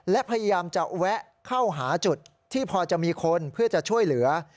และพยายามจะแวะเข้าหาจุดที่พอจะมีคนเพื่อจะช่วยเหลือ